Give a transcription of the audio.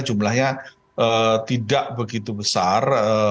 jumlahnya tidak begitu besar